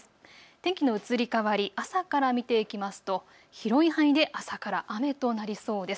天気の移り変わり朝から見ていきますと広い範囲で朝から雨となりそうです。